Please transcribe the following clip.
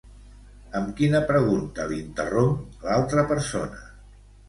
Amb quina pregunta l'interromp l'altra persona?